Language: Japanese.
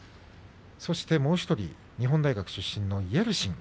そしてもう１人日本大学出身のイェルシン